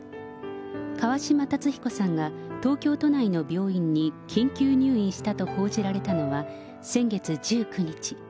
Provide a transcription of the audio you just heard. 川嶋辰彦さんが東京都内の病院に緊急入院したと報じられたのは、先月１９日。